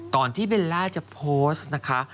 ก่อนที่เวียจะโพสต์นะคะ